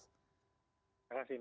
terima kasih mas